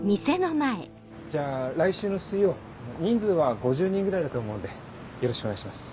じゃあ来週の水曜人数は５０人ぐらいだと思うのでよろしくお願いします。